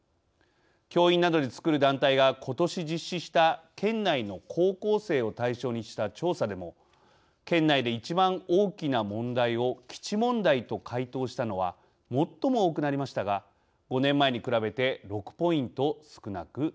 教員などでつくる団体がことし実施した県内の高校生を対象にした調査でも県内で一番大きな問題を基地問題と回答したのは最も多くなりましたが５年前に比べて６ポイント少なくなりました。